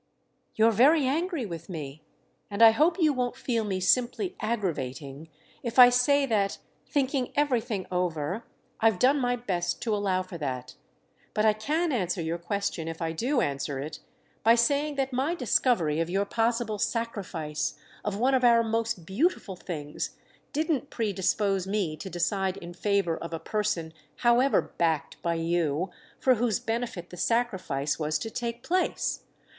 "You're very angry with me, and I hope you won't feel me simply 'aggravating' if I say that, thinking everything over, I've done my best to allow for that. But I can answer your question if I do answer it by saying that my discovery of your possible sacrifice of one of our most beautiful things didn't predispose me to decide in favour of a person—however 'backed' by you—for whose benefit the sacrifice was to take place.